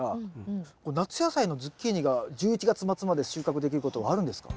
これ夏野菜のズッキーニが１１月末まで収穫できることあるんですか？